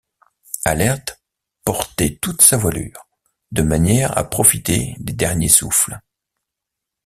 Alert portait toute sa voilure, de manière à profiter des derniers souffles.